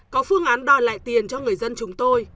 có phương án đòi lại tiền cho người dân chúng tôi